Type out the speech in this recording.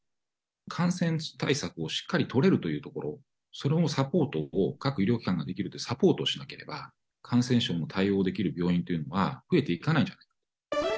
感染対策をしっかり取れるというところ、それをサポートを、各医療機関ができるサポートをしなければ、感染症に対応できる病院というのは増えていかないんじゃないか。